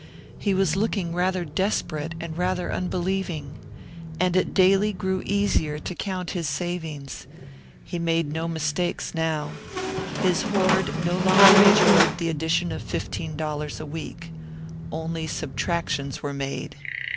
He was looking rather desperate and rather unbelieving. And it daily grew easier to count his savings. He made no mistakes now. His hoard no longer enjoyed the addition of fifteen dollars a week. Only subtractions were made.